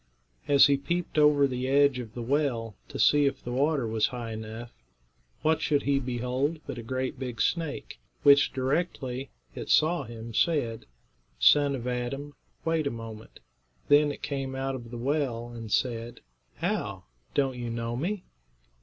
As he peeped over the edge of the well, to see if the water was high enough, what should he behold but a great big snake, which, directly it saw him, said, "Son of Adam, wait a moment." Then it came out of the well and said: "How? Don't you know me?"